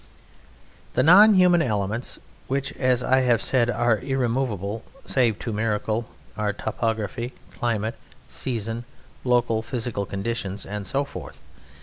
The non human elements which, as I have said, are irremovable (save to miracle), are topography, climate, season, local physical conditions, and so forth.